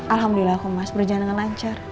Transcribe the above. alhamdulillah aku mas berjalan dengan lancar